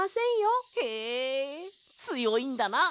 へえつよいんだな！